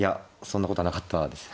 そんなことはなかったです。